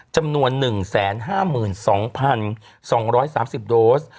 จำนวน๑๕๒๒๓๐โดส